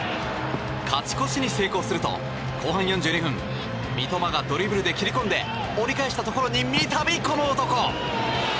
勝ち越しに成功すると後半４２分三笘がドリブルで切り込んで折り返したところに三度、この男。